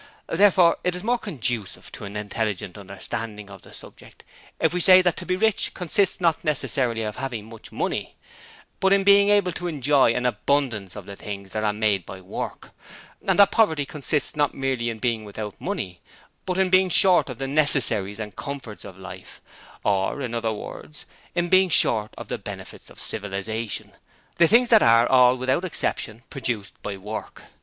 Therefore it is more conducive to an intelligent understanding of the subject if we say that to be rich consists not necessarily in having much money, but in being able to enjoy an abundance of the things that are made by work; and that poverty consists not merely in being without money, but in being short of the necessaries and comforts of life or in other words in being short of the Benefits of Civilization, the things that are all, without exception, produced by work.